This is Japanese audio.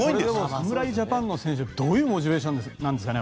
侍ジャパンの選手はどういうモチベーションなんですかね。